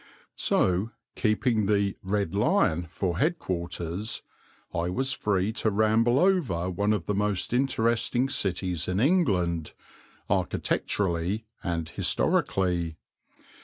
So, keeping the "Red Lion" for head quarters, I was free to ramble over one of the most interesting cities in England, architecturally and historically.